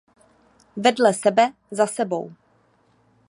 Vedle sebe, za sebou